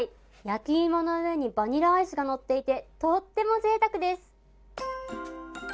焼き芋の上にバニラアイスがのっていてとてもぜいたくです。